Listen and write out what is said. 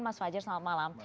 mas fajar selamat malam